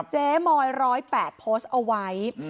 เจมอย๑๐๘โพสเอาไว้